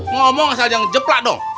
ngomong asal yang jeplak dong